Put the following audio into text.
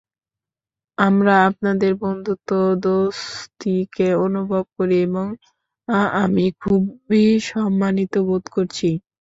আমরা আপনাদের বন্ধুত্ব, দোস্তিকে অনুভব করি এবং আমি খুবই সম্মানিত বোধ করছি।